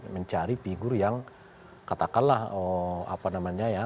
mencari figur yang katakanlah apa namanya ya